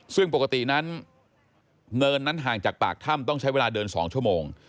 ซึ่งปกตินั้นเนินนั้นห่างจากปากถ้ำต้องใช้เวลาเดิน๒ชั่วโมง